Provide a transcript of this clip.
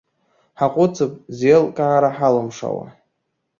Ҳаҟәыҵып зеилкаара ҳалымшауа.